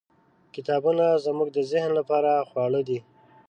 . کتابونه زموږ د ذهن لپاره خواړه دي.